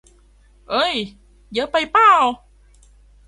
เอ้ย เยอะไปป่าว